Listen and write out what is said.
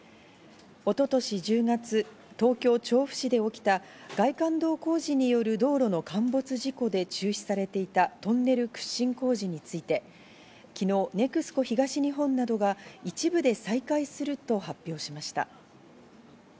一昨年１０月、東京・調布市で起きた外環道工事による道路の陥没事故で中止されていたトンネル掘進工事について昨日、ＮＥＸＣＯ東日本などが一部で再開すると発表しました。